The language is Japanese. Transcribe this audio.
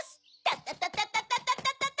タタタタタタ！